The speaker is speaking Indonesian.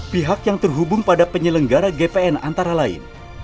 pihak yang terhubung pada penyelenggara gpn antara lain